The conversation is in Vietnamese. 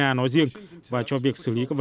và nói riêng và cho việc xử lý